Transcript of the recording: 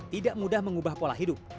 tidak mudah mengubah pola hidup